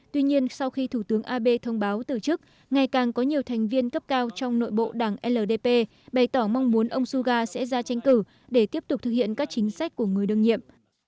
tuy nhiên sau khi thủ tướng abe thông báo từ chức ngày càng có nhiều thành viên cấp cao trong nội bộ đảng ldp bày tỏ mong muốn ông suga sẽ ra tranh cử để tiếp tục thực hiện các chính sách của người đương nhiệm